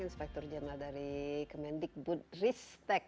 inspektur jenderal dari kemendikbud ristek